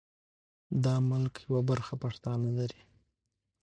د ملک یوه برخه پښتانه لري.